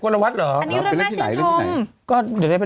เพราะว่าไม่มีใครอยากยุ่งกับเราแล้ว